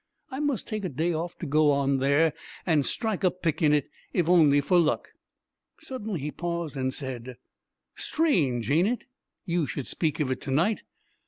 I must take a day off to go on there and strike a pick in it, if only for luck." Suddenly he paused and said, "Strange, ain't it, you should speak of it to night?